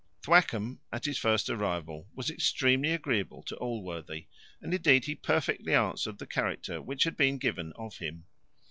Thwackum, at his first arrival, was extremely agreeable to Allworthy; and indeed he perfectly answered the character which had been given of him.